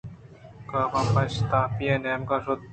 کاف پہ اشتاپی آئی ءِ نیمگءَ شت